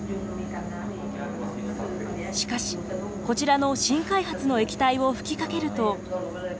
しかし、こちらの新開発の液体を吹きかけると。